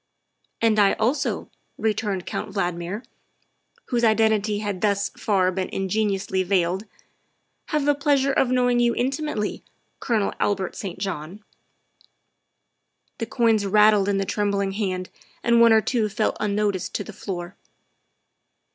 " And I also," returned Count Valdmir, whose iden tity had thus far been ingeniously veiled, " have the pleasure of knowing you intimately, Colonel Albert St. John." The coins rattled in the trembling hand and one or two fell unnoticed to the floor.